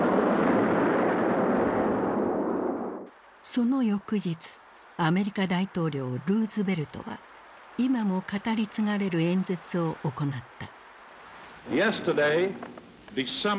その翌日アメリカ大統領ルーズベルトは今も語り継がれる演説を行った。